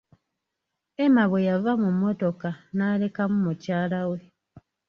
Emma bwe yava mu mmotoka n'alekamu mukyala we.